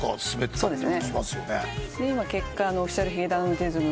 そうですね。